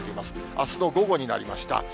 あすの午後になりました。